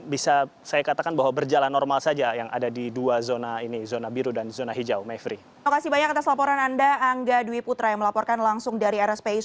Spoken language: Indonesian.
bisa saya katakan bahwa berjalan normal saja yang ada di dua zona ini zona biru dan zona hijau